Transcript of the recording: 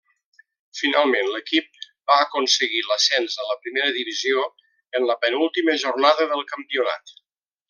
Finalment, l'equip va aconseguir l'ascens a la Primera divisió en la penúltima jornada del campionat.